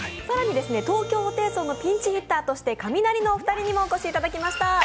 更に東京ホテイソンのピンチヒッターとしてカミナリのお二人にもお越しいただきました。